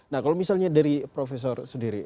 nah kalau misalnya dari profesor sendiri